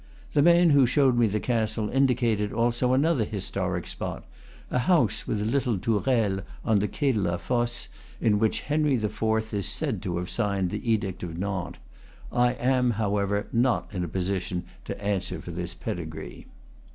The man who showed me the castle in dicated also another historic spot, a house with little tourelles, on the Quai de la Fosse, in which Henry IV. is said to have signed the Edict of Nantes. I am, however, not in a position to answer for this pedigree.